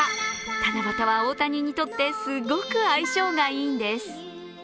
七夕は大谷にとってすごく相性がいいんです。